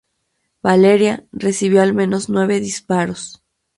Valeria recibió al menos nueve disparos.